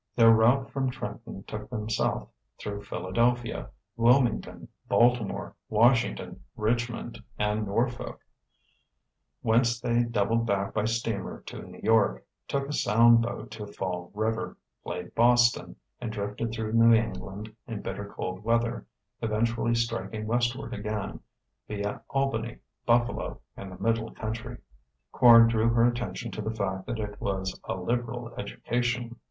Their route from Trenton took them south through Philadelphia, Wilmington, Baltimore, Washington, Richmond, and Norfolk; whence they doubled back by steamer to New York, took a Sound boat to Fall River, played Boston, and drifted through New England in bitter cold weather, eventually striking westward again, via Albany, Buffalo, and the middle country. Quard drew her attention to the fact that it was "a liberal education...."